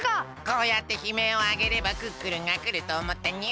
こうやってひめいをあげればクックルンがくるとおもったにゃん！